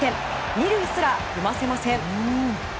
２塁すら踏ませません。